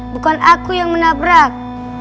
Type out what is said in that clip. bukan aku yang menabrak